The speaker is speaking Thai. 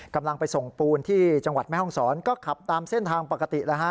กำลังไปส่งปูนที่จังหวัดแม่ห้องศรก็ขับตามเส้นทางปกติแล้วฮะ